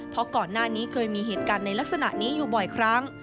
เพราะก่อนหน้านี้เคยมีเหตุการณ์ในลักษณะนี้อยู่บ่อยครั้ง